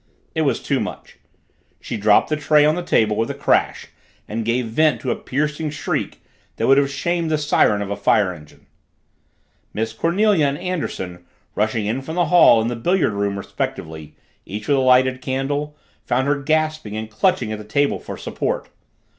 It was too much. She dropped the tray on the table with a crash and gave vent to a piercing shriek that would have shamed the siren of a fire engine. Miss Cornelia and Anderson, rushing in from the hall and the billiard room respectively, each with a lighted candle, found her gasping and clutching at the table for support.